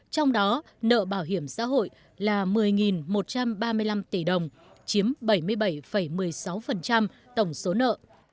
trong đó nợ bảo hiểm xã hội là một mươi một trăm ba mươi năm tỷ đồng chiếm bảy mươi bảy một mươi sáu tổng số nợ